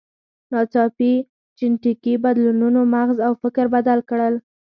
ناڅاپي جینټیکي بدلونونو مغز او فکر بدل کړل.